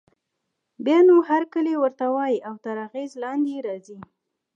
بيا نو هرکلی ورته وايي او تر اغېز لاندې يې راځي.